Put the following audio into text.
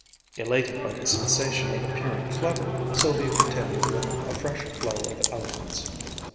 Elated by the sensation of appearing clever, Sylvia continued with a fresh flow of eloquence.